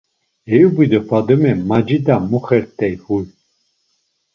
Eyubi do Fadume macida muxert̆ey huy.